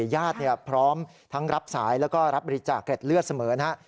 ญาติพร้อมทั้งรับสายแล้วก็รับบริจาคเกร็ดเลือดเสมอนะครับ